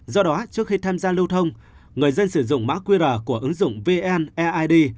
do đó trước khi tham gia lưu thông người dân sử dụng mã qr của ứng dụng vn eid